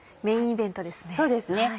メインイベントですね。